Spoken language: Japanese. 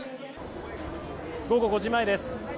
午後５時前です。